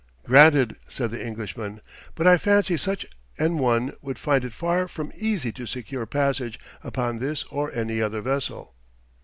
"Granted," said the Englishman. "But I fancy such an one would find it far from easy to secure passage upon this or any other vessel."